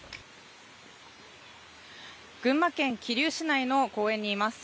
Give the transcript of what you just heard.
群馬県桐生市内の公園にいます。